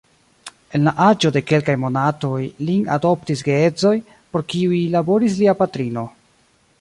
En la aĝo de kelkaj monatoj lin adoptis geedzoj, por kiuj laboris lia patrino.